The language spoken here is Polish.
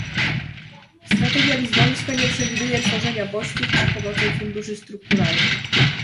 Strategia lizbońska nie przewiduje tworzenia bodźców przy pomocy funduszy strukturalnych